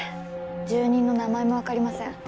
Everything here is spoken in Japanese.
住人の名前もわかりません。